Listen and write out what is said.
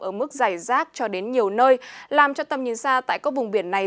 ở mức dày rác cho đến nhiều nơi làm cho tầm nhìn ra tại các vùng biển này